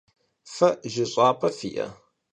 Fe jış'ap'e fi'e?